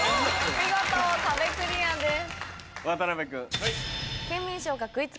見事壁クリアです。